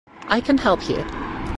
I can help you.